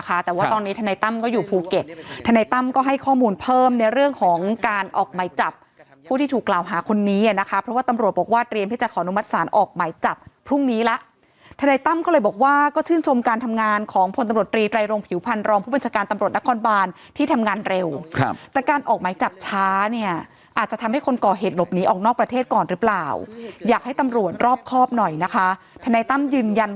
คนนี้นะคะเพราะว่าตำรวจบอกว่าเตรียมที่จะขออนุมัติศาลออกไหมจับพรุ่งนี้ละธนัยตั้มก็เลยบอกว่าก็ชื่นชมการทำงานของผลตำรวจตรีไตรรงผิวพันรองผู้บัญชาการตำรวจนครบานที่ทำงานเร็วครับแต่การออกไหมจับช้าเนี่ยอาจจะทำให้คนก่อเหตุหลบนี้ออกนอกประเทศก่อนหรือเปล่าอยากให้ตำรวจรอบครอบหน่อยนะคะธนัยต